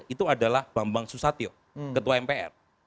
itu adalah bambang susatyo ketua mpr